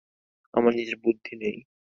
আমার নিজের বুদ্ধি নেই?